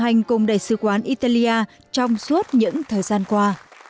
hãy đồng hành cùng đại sứ quán italia trong suốt những thời gian qua